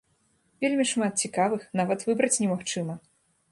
Вельмі шмат цікавых, нават выбраць немагчыма.